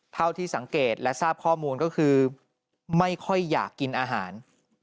เท่าที่สังเกตและทราบข้อมูลก็คือไม่ค่อยอยากกินอาหาร